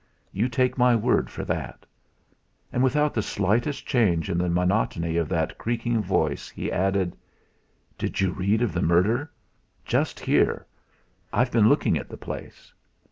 You take my word for that." And without the slightest change in the monotony of that creaking voice he added: "Did you read of the murder? Just here. I've been looking at the place."